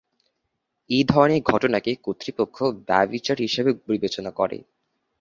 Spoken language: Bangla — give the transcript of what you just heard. এই ধরনের ঘটনাকে কর্তৃপক্ষ ব্যভিচার হিসেবে বিবেচনা করে।